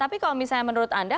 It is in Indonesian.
tapi kalau misalnya menurut anda